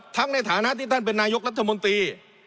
ในฐานะที่ท่านเป็นนายกรัฐมนตรี